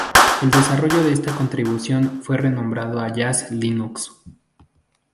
El desarrollo de esta distribución fue renombrado a Jazz Linux.